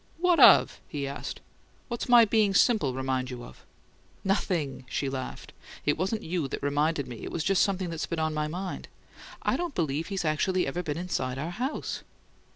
"What of?" he asked. "What's my being simple remind you of?" "Nothing!" she laughed. "It wasn't you that reminded me. It was just something that's been on my mind. I don't believe he's actually ever been inside our house!"